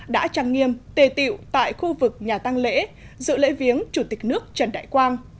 đã trang nghiêm tề tiệu tại khu vực nhà tăng lễ dự lễ viếng chủ tịch nước trần đại quang